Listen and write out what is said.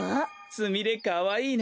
スミレかわいいね。